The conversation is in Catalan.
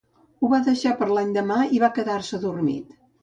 Ho va deixar per l'endemà i va quedar-se dormit.